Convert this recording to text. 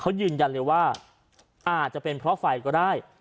เขายืนยันเลยว่าอาจจะเป็นเพราะไฟก็ได้